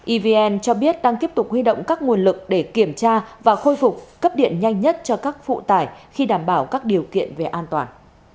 evn cho biết đang tiếp tục huy động các nguồn lực để kiểm tra và khôi phục cấp điện nhanh nhất cho các phụ tải khi đảm bảo các điều kiện về an toàn